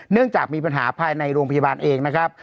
เนื่องจากมีปัญหาภายในโรงพยาบาลเองนะครับ